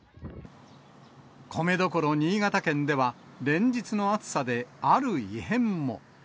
米どころ新潟県では、連日の暑さで、ある異変も。